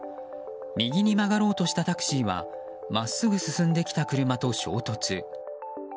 右に曲がろうとしたタクシーは真っすぐ進んできた車と衝突。